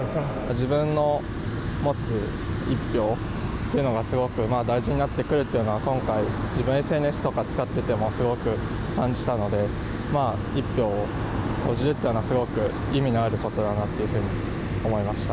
自分の持つ一票というのがすごく大事になってくるというのは今回自分がＳＮＳとかを使っててもすごく感じたので一票を投じれたというのはすごく意味のあることだなというふうに思いました。